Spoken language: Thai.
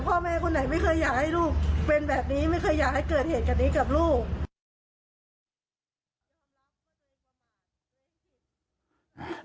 พ่อแม่คนไหนไม่เคยอยากให้ลูกเป็นแบบนี้ไม่เคยอยากให้เกิดเหตุกับนี้กับลูก